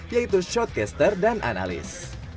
yaitu shortcaster dan analis